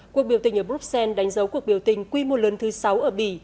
cuộc biểu tình ở bruxelles đánh dấu cuộc biểu tình quy mô lớn thứ sáu ở bỉ